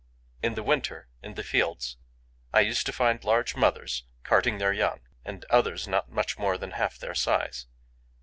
In the winter, in the fields, I used to find large mothers, carting their young, and others not much more than half their size.